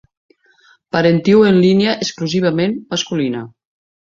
Parentiu en línia exclusivament masculina.